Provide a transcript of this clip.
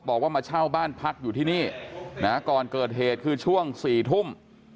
บอกว่ามาเช่าบ้านพักอยู่ที่นี่นะก่อนเกิดเหตุคือช่วง๔ทุ่ม